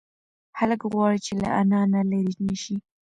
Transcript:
هلک غواړي چې له انا نه لرې نشي.